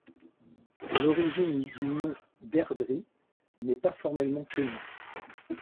L’origine du nom d’Airdrie n’est pas formellement connue.